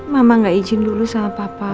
mama gak izin dulu sama papa